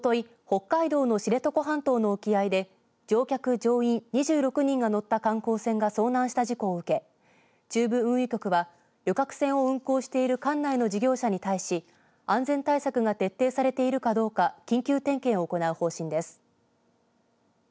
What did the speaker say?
北海道の知床半島の沖合で乗客・乗員２６人が乗った観光船が遭難した事故を受け中部運輸局は旅客船を運航している管内の事業者に対し安全対策が徹底されているかどうか緊急点検を行う方針です。